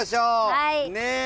はい！ね。